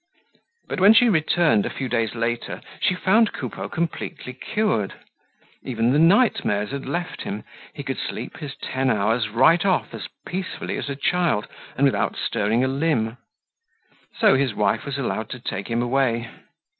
But when she returned a few days later, she found Coupeau completely cured. Even the nightmares had left him; he could sleep his ten hours right off as peacefully as a child and without stirring a limb. So his wife was allowed to take him away.